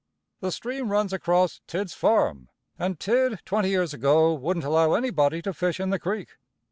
This stream runs across Tidd's farm, and Tidd twenty years ago wouldn't allow anybody to fish in the creek.